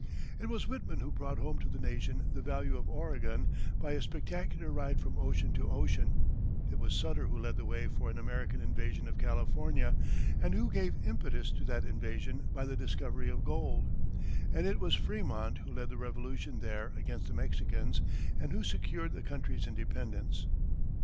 It was Whitman who brought home to the Nation the value of Oregon by a spectacular ride from ocean to ocean; it was Sutter who led the way for an American invasion of California, and who gave impetus to that invasion by the discovery of gold; and it was Frémont who led the revolution there against the Mexicans, and who secured the country's independence.